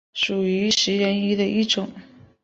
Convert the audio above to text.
属于食人鱼的一种。